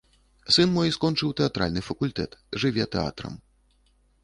Сын мой скончыў тэатральны факультэт, жыве тэатрам.